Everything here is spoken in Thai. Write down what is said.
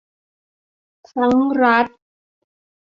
ทั้งรัฐ